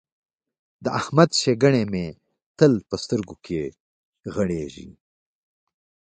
د احمد ښېګڼې مې تل په سترګو کې غړېږي.